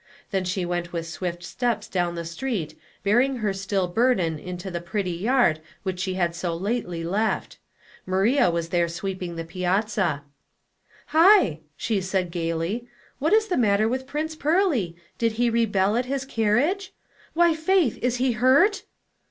Then she went with swift steps down the street, bearing her still burden into the pretty yard which she had so lately left. Maiia was there sweeping the piazza. " Hi !" she said, gayly, " what is the matter with Prince Pearly ? Did he rebel at his car riage? Wh}^ Faith, is he hurt?